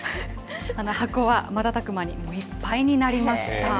箱は瞬く間にいっぱいになりました。